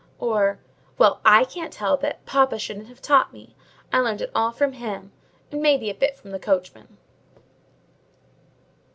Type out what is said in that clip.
or, "Well! I can't help it; papa shouldn't have taught me: I learned it all from him; and maybe a bit from the coachman."